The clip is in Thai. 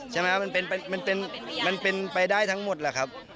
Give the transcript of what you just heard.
ใช่ไหมครับมันเป็นไปได้ทั้งหมดแหละครับ